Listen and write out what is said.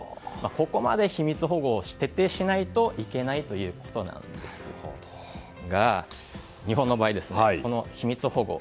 ここまで秘密保護を徹底しないといけないということなんですが日本の場合、この秘密保護